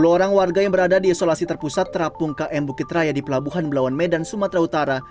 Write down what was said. sepuluh orang warga yang berada di isolasi terpusat terapung km bukit raya di pelabuhan belawan medan sumatera utara